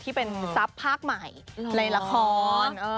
ที่เป็นทรัพย์ภาคใหม่ในละคร